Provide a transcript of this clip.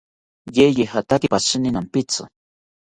Yeye jataki pashini nampitzi